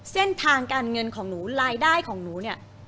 เส้นทางการเงินของหนูรายได้ของหนูเนี่ย